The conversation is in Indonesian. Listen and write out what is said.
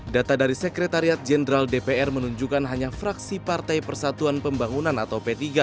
data dari sekretariat jenderal dpr menunjukkan hanya fraksi partai persatuan pembangunan atau p tiga